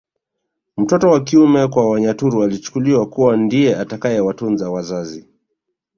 Mtoto wa kiume kwa Wanyaturu alichukuliwa kuwa ndiye atakayewatunza wazazi